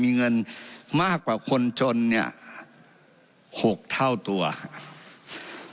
มีเงินมากกว่าคนจนเนี่ยหกเท่าตัวครับ